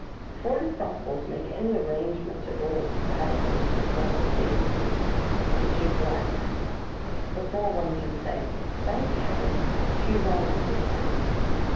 Before it is possible to make any arrangement at all compatible with this novel state of things, the ship rights. Before one can say 'Thank Heaven!' she wrongs again.